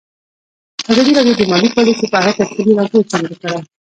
ازادي راډیو د مالي پالیسي په اړه تفصیلي راپور چمتو کړی.